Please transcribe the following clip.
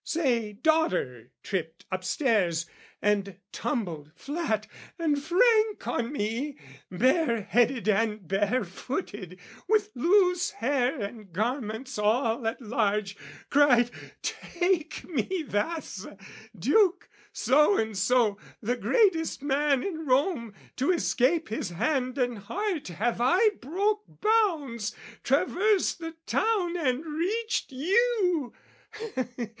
say, daughter, tripped Upstairs and tumbled flat and frank on me, Bareheaded and barefooted, with loose hair And garments all at large, cried "Take me thus! "Duke So and So, the greatest man in Rome "To escape his hand and heart have I broke bounds, "Traversed the town and reached you!"